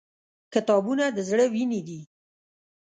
• کتابونه د زړه وینې دي.